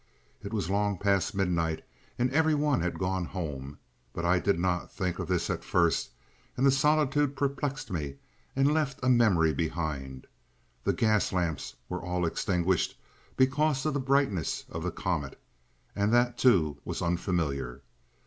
It was long past midnight, and every one had gone home. But I did not think of this at first, and the solitude perplexed me and left a memory behind. The gas lamps were all extinguished because of the brightness of the comet, and that too was unfamiliar.